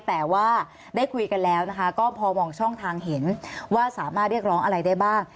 แต่ว่าได้คุยกันแล้วนะคะก็พอมองช่องทางเห็นว่าสามารถเรียกร้องอะไรได้บ้าง